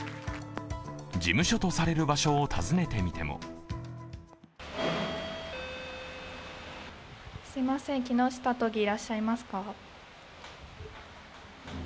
事務所とされる場所を訪ねてみてもすみません、木下都議、いらっしゃいますか。